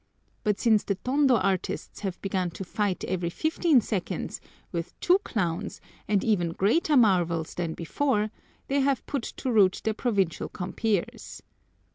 But since the Tondo artist have begun to fight every fifteen seconds, with two clowns, and even greater marvels than before, they have put to rout their provincial compeers.